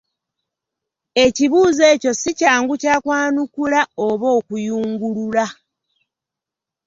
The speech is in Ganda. Ekibuuzo ekyo si kyangu kya kwanukula oba okuyungulula.